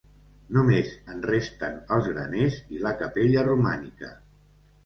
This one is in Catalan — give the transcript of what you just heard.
Només en resten els graners i la capella romànica.